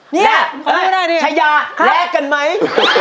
เนี่ยไปนัดนี่ทรายยาแรกกันไหม